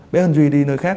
bé hân duy đi nơi khác